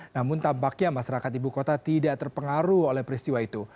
namun tampaknya masyarakat ibu kota tidak terpengaruh oleh peristiwa itu